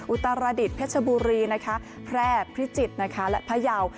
อุตรดิษฐเพชรบุรีนะคะแพร่พิจิตรนะคะและพยาว